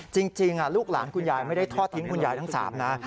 จริงลูกหลานคุณยายไม่ได้ทอดทิ้งคุณยายทั้ง๓นะ